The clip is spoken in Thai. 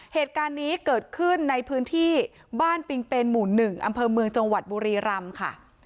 เหตุการณ์นี้เกิดขึ้นในพื้นที่บ้านปิงเปนหมู่๑อำเภอเมืองจังหวัดบุรีรำค่ะ